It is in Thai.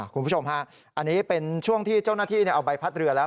คุณผู้ชมฮะอันนี้เป็นช่วงที่เจ้าหน้าที่เอาใบพัดเรือแล้ว